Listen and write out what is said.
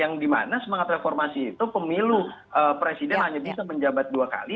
yang dimana semangat reformasi itu pemilu presiden hanya bisa menjabat dua kali